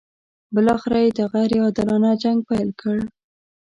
بالاخره یې دا غیر عادلانه جنګ پیل کړ.